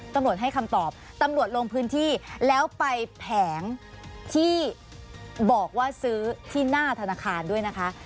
ตำรวจให้คำตอบตำรวจลงพื้นที่แล้วไปแผงที่บอกว่าซื้อที่หน้าธนาคารด้วยนะคะ